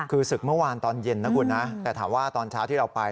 คือศึกเมื่อวานตอนเย็นนะคุณนะแต่ถามว่าตอนเช้าที่เราไป